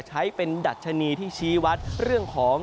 ใช้เป็นดัชนีที่ชี้วัดเรื่องของ